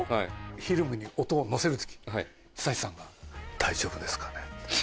フィルムに音をのせるとき、久石さんが大丈夫ですかねって。